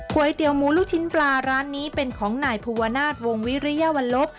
๋วเตี๋ยหมูลูกชิ้นปลาร้านนี้เป็นของนายภูวนาศวงวิริยาวัลลบ